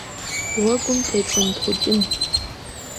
Гъуэгум тецӀэнтхъукӀын.